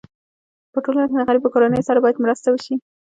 په ټولنه کي د غریبو کورنيو سره باید مرسته وسي.